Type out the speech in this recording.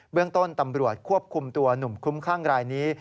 เรื่องต้นตำรวจควบคุมตัวหนุ่มคุ้มข้างรายนี้